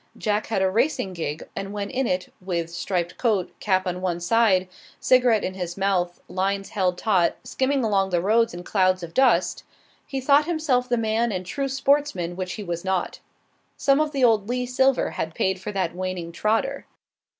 Jack had a racing gig, and when in it, with striped coat, cap on one side, cigarette in mouth, lines held taut, skimming along the roads in clouds of dust, he thought himself the man and true sportsman which he was not. Some of the old Lee silver had paid for that waning trotter.